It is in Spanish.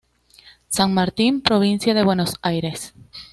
San Martín, provincia de Buenos Aires.